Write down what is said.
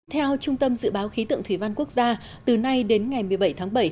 theo trung tâm dự báo khí tượng thủy văn quốc gia từ nay đến ngày một mươi bảy tháng bảy